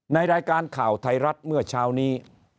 ในรายการข่าวไทยรัฐเมื่อเช้านี้